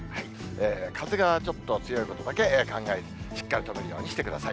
風がちょっと強いことだけ考えて、しっかりと留めるようにしてください。